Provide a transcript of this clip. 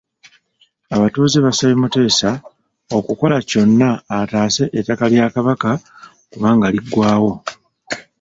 Abatuuze basabye Muteesa okukola kyonna ataase ettaka lya Kabaka kubanga liggwaawo.